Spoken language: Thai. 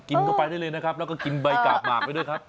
เข้าไปได้เลยนะครับแล้วก็กินใบกาบหมากไปด้วยครับ